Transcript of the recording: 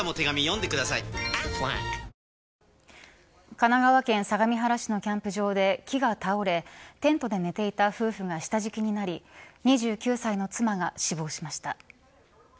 神奈川県相模原市のキャンプ場で木が倒れ、テントで寝ていた夫婦が下敷きになり２９歳の妻が死亡しました。